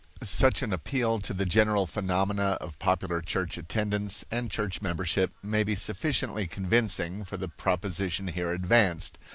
Such an appeal to the general phenomena of popular church attendance and church membership may be sufficiently convincing for the proposition here advanced.